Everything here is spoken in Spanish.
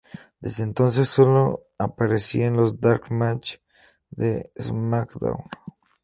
Desde entonces solo aparecía en los Dark Match de Smackdown!.